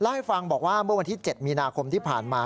ให้ฟังบอกว่าเมื่อวันที่๗มีนาคมที่ผ่านมา